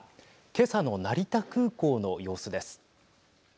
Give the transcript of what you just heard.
今朝の成田空港の様子です。